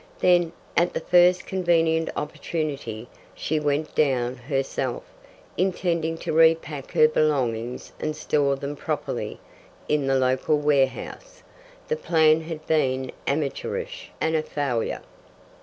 Then, at the first convenient opportunity, she went down herself, intending to repack her belongings and store them properly in the local warehouse: the plan had been amateurish and a failure.